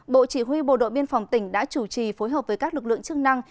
bộ chỉ huy bộ đội biên phòng tỉnh đã chủ trì phối hợp với các lực lượng chức năng